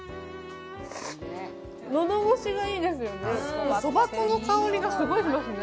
喉越しがいいですよね。